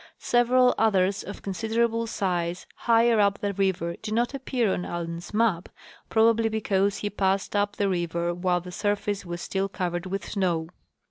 Several others of considerable size higher up the river do not appear on Allen's map, probably because he passed up the river while the surface was still covered with snow.